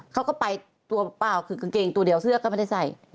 เขาก็ไปตัวเปล่าคือกางเกงตัวเดียวเสื้อก็ไม่ได้ใส่